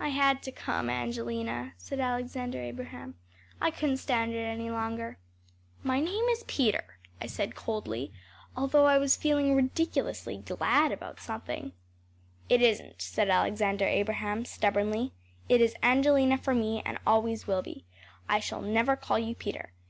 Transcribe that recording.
“I had to come, Angelina,‚ÄĚ said Alexander Abraham. “I couldn’t stand it any longer.‚ÄĚ “My name is Peter,‚ÄĚ I said coldly, although I was feeling ridiculously glad about something. “It isn‚Äôt,‚ÄĚ said Alexander Abraham stubbornly. “It is Angelina for me, and always will be. I shall never call you Peter.